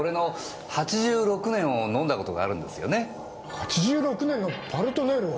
８６年の「パルトネール」を！？